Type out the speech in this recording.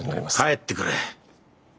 帰ってくれ！